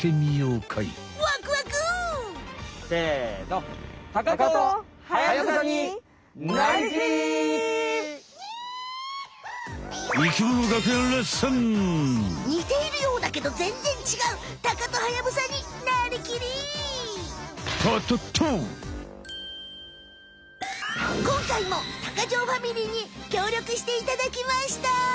かいも鷹匠ファミリーにきょうりょくしていただきました。